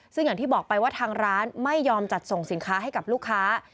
ซึ่งอย่างที่บอกไปว่าทางร้านไม่ยอมจัดส่งสินค้าให้กับลูกค้า